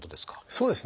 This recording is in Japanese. そうです。